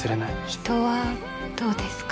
人はどうですか。